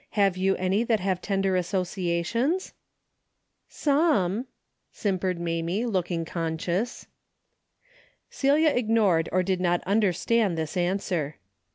Have you any that have tender associations ?"" Some," simpered Mamie looking conscious. Celia ignored or did not understand this answer.